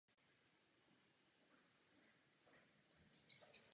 Přirozená obnova je slabá.